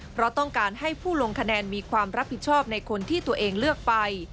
เพราะต้องการให้ผู้ลงคะแนนมีความรับผิดชอบในคนที่ตัวเองเลือกไป